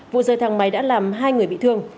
vụ rơi thang máy đã làm hai người bị thương